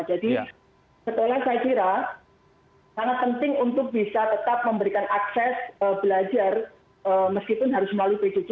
jadi setelah saya kira sangat penting untuk bisa tetap memberikan akses belajar meskipun harus melalui bcc